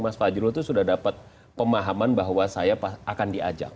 mas fajrul itu sudah dapat pemahaman bahwa saya akan diajak